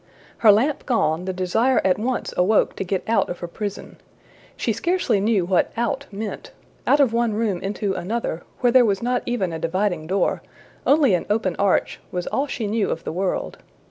Her lamp gone, the desire at once awoke to get out of her prison. She scarcely knew what out meant; out of one room into another, where there was not even a dividing door, only an open arch, was all she knew of the world.